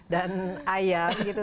dan ayam gitu